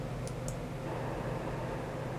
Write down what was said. দশ মিনিট।